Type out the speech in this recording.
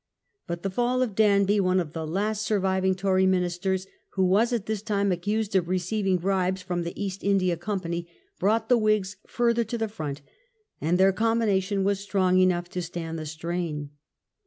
But the fall of Danby, one of the last surviving Tory ministers, who was at this time accused of receiving bribes from the East India Company, brought the Whigs further to the front, and their combination was strong enough to stand the strain.